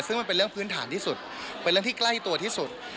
ซึ่งมันเป็นเรื่องพื้นฐานที่สุดเป็นเรื่องที่ใกล้ตัวที่สุด